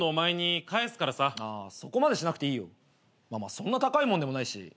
そんな高いもんでもないし。